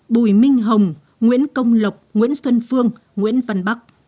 bùi minh hồng nguyễn công lộc nguyễn xuân phương nguyễn văn bắc